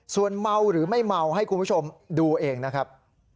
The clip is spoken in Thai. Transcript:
ส่วนเมาหรือไม่เมาให้คุณผู้ชมดูเองนะครับ